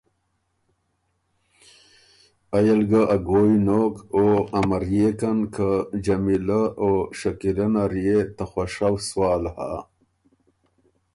ائ ل ګه ا ګویٛ نوک او امريېکن که جمیلۀ او شکیلۀ نر يې ته خوشؤ سوال هۀ۔